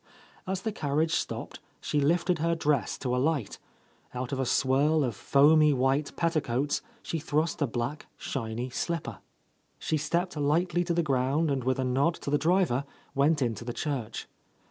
As the carriage stopped she lifted her dress to alight; out of a swirl of foamy white petticoats she thrust a black, shiny slipper. She stepped lightly to the ground and with a nod to the driver went into the church.